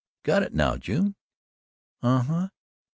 "Got it now, June?" "Uh huh."